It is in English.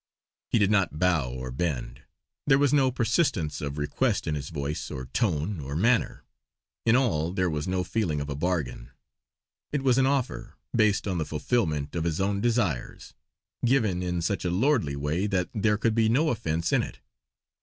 He did not bow or bend; there was no persistence of request in his voice, or tone, or manner. In all there was no feeling of a bargain. It was an offer, based on the fulfillment of his own desires; given in such a lordly way that there could be no offence in it.